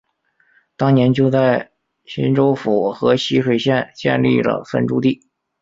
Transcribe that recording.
当年就在沂州府和沂水县建立了分驻地。